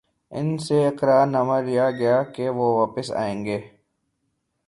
ان سے اقرار نامہ لیا گیا کہ وہ واپس آئیں گے۔